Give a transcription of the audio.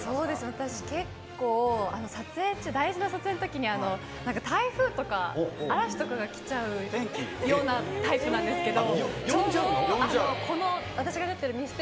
私、結構、撮影中、大事な撮影のときに、なんか台風とか、嵐とかが来ちゃうようなタイプなんですけど。